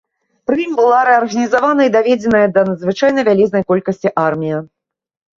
Пры ім была рэарганізавана і даведзеная да надзвычай вялізнай колькасці армія.